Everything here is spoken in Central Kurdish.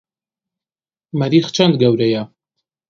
مەریخ چەند گەورەیە؟